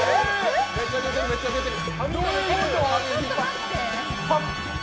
めっちゃ出てるめっちゃ出てる。